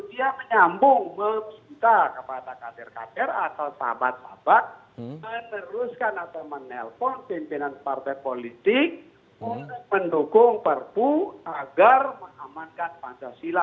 dia menyambung meminta kepada kader kader atau sahabat sahabat meneruskan atau menelpon pimpinan partai politik untuk mendukung perpu agar mengamankan pancasila